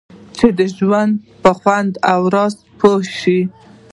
چې د ژوند په خوند او راز پوه شئ.